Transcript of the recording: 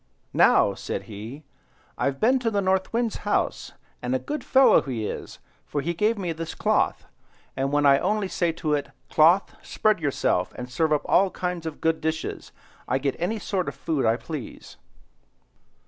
"Now," said he, "I've been to the North Wind's house, and a good fellow he is, for he gave me this cloth, and when I only say to it, 'Cloth, spread yourself, and serve up all kinds of good dishes,' I get any sort of food I please."